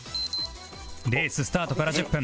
レーススタートから１０分